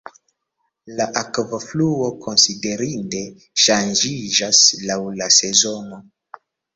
La akvofluo konsiderinde ŝanĝiĝas laŭ la sezono.